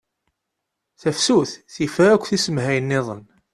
Tafsut tif akk tisemhay-nniḍen